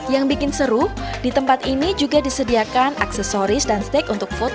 yang bikin seru di tempat ini juga disediakan aksesoris dan steak untuk foto